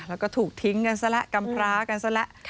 แล้วก็ถูกทิ้งกันซะแล้วกำพร้ากันซะแล้ว